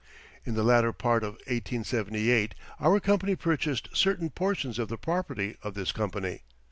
In the latter part of 1878, our company purchased certain portions of the property of this company.